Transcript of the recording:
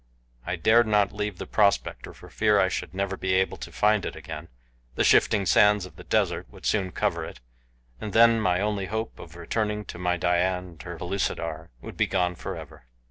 I dared not leave the prospector for fear I should never be able to find it again the shifting sands of the desert would soon cover it, and then my only hope of returning to my Dian and her Pellucidar would be gone forever.